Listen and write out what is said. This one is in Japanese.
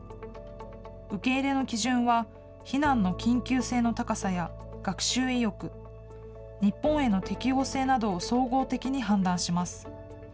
受け入れの基準は、避難の緊急性の高さや、学習意欲、日本への適応性などを総合的に判断します。